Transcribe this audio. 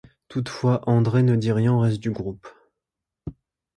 Toutefois, Andre ne dit rien au reste du groupe.